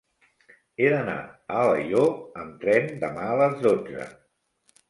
He d'anar a Alaior amb tren demà a les dotze.